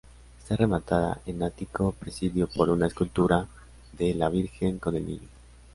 Esta rematada en ático presidido por una escultura de la Virgen con el Niño.